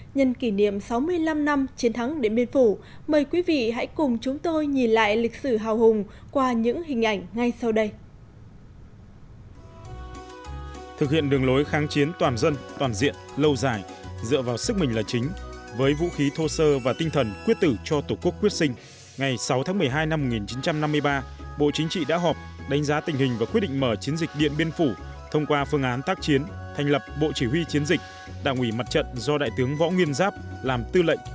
nhân kỷ niệm sáu mươi năm năm chiến thắng điện biên phủ mời quý vị hãy cùng chúng tôi nhìn lại lịch sử hào hùng qua những hình ảnh ngay sau đây